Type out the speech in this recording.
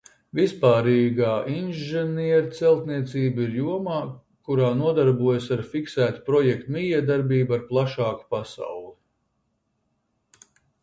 Vispārīgā inženierceltniecība ir jomā, kurā nodarbojas ar fiksētu projektu mijiedarbību ar plašāku pasauli.